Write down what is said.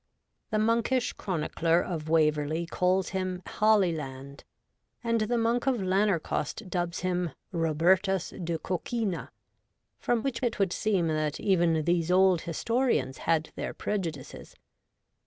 The monkish chronicler of Waverley calls him Halieland, and the Monk of Lanercost dubs him ' Robertus de Coquini,' from which it would seem that even these old historians had their prejudices.